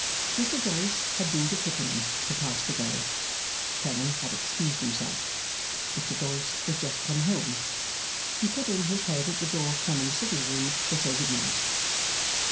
Mr Doyce had been to Twickenham to pass the day. Clennam had excused himself. Mr Doyce was just come home. He put in his head at the door of Clennam's sitting room to say Good night.